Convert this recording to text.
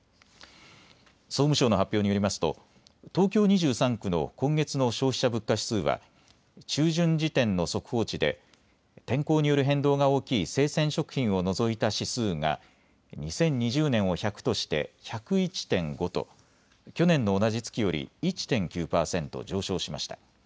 総務省の発表によりますと東京２３区の今月の消費者物価指数は中旬時点の速報値で天候による変動が大きい生鮮食品を除いた指数が２０２０年を１００として１０１．５と去年の同じ月より１．９％上昇しました。